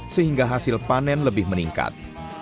sehingga hasil panen lebih meningkat